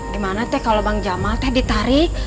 gimana teh kalau bang jamal teh ditarik